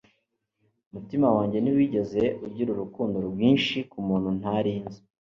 umutima wanjye ntiwigeze ugira urukundo rwinshi kumuntu ntari nzi